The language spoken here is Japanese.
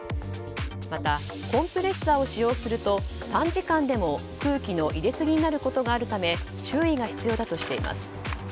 また、コンプレッサーを使用すると短時間でも空気の入れすぎになることがあるため注意が必要だとしています。